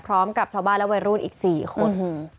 พร้อมกับชาวบ้านและวัยรุ่นอีก๔คน